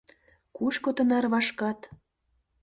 Кушко тынар вашкат?